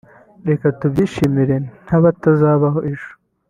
Reka tubyishimire ntabatazabaho ejo